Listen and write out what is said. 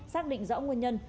xác định rõ nguyên nhân